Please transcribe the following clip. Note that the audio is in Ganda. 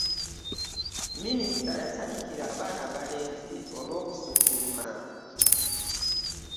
Minisita yasanyukira abaana abalenzi olw'okusukuluma